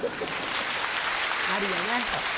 あるよね。